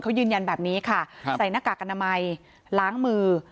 เขายืนยันแบบนี้ค่ะใส่หน้ากากอนามัยล้างมือ